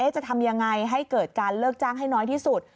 จะทำยังไงให้เกิดการเลิกจ้างให้น้อยที่สุด